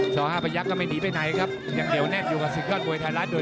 จ้อห้าประยักษ์ก็ไม่หนีไปไหนครับยังเดียวแน่นอยู่สูงประหลังน้อ